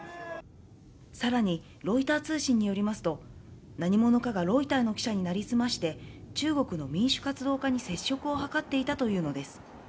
さらに、ロイター通信によりますと、何者かがロイターの記者に成り済まして、中国の民主活動家に接触を図っていたというのです。